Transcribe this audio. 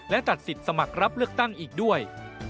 และตัดสิทธิ์สมัครรับเลือกตั้งอีกด้วย